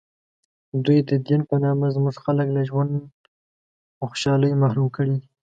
دوی د دین په نامه زموږ خلک له ژوند و خوشحالۍ محروم کړي دي.